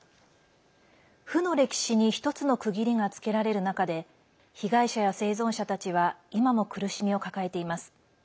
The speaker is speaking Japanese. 負の歴史に１つの区切りがつけられる中で被害者や生存者たちは今も苦しみを抱えています。